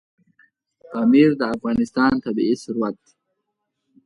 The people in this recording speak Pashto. پامیر د افغانستان طبعي ثروت دی.